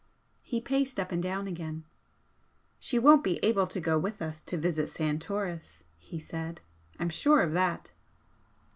He paced up and down again. "She won't be able to go with us to visit Santoris," he said "I'm sure of that."